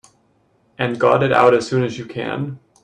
And got it out as soon as you can.